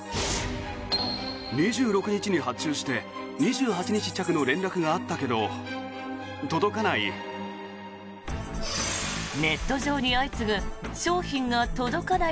２６日に発注して２８日着の連絡があったけど届かない。